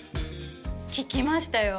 聞きましたよ